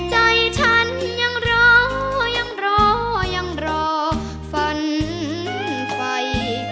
ใจฉันยังรอยังรอยังรอฝันไฟ